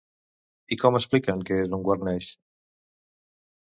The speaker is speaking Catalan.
I com expliquen que es guarneix?